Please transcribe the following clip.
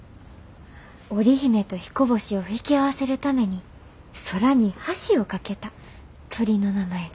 織姫とひこ星を引き合わせるために空に橋を架けた鳥の名前です。